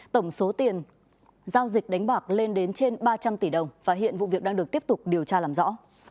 tổng số tiền giao dịch đánh bạc lên đến trên ba trăm linh tỷ đồng và hiện vụ việc đang được tiếp tục điều tra làm rõ